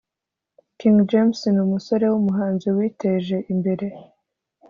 King james numusore wumuhanzi witeje imbere